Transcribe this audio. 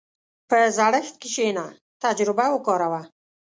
په زړښت کښېنه، تجربه وکاروه.